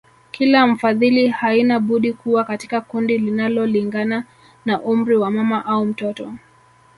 Kila mfadhili haina budi kuwa katika kundi linalolingana na umri wa mama au mtoto